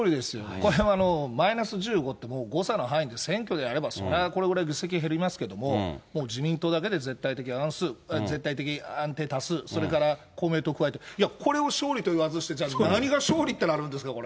これはマイナス１５って、誤差の範囲で、それぐらいあればそれはこれぐらい議席減りますけれども、もう自民党だけで絶対的過半数、絶対的安定多数、それから公明党加えて、これを勝利と言わずして、何が勝利となるんですか。